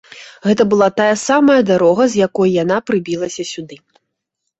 Гэта была тая самая дарога, з якой яна прыбілася сюды.